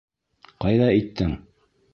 Ҡайҙа иттең?